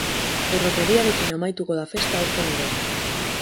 Erromeriarekin amaituko da festa aurten ere.